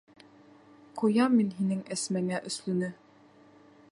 Ҡуям мин һинең Әсмәңә «өслө»нө!